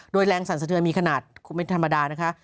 โดยแรงสั่นสะเทือนมีขนาดไม่ธรรมดานะคะ